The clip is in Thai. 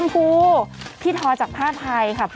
โคตรโรคไปในฝัน